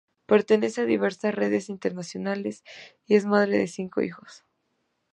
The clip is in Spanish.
Pertenece a diversas redes internacionales y es madre de cinco hijos.